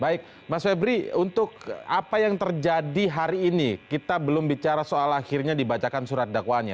baik mas febri untuk apa yang terjadi hari ini kita belum bicara soal akhirnya dibacakan surat dakwaannya